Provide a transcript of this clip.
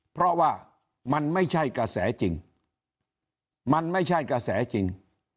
เพราะว่ามันไม่ใช่กระแสจริงมันไม่ใช่กระแสจริง